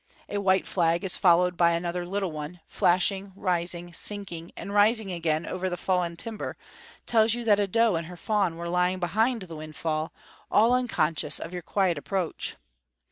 A white flag followed by another little one, flashing, rising, sinking and rising again over the fallen timber, tells you that a doe and her fawn were lying behind the windfall, all unconscious of your quiet approach.